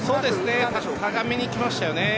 高めに来ましたよね。